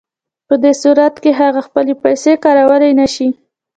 په دې صورت کې هغه خپلې پیسې کارولی نشي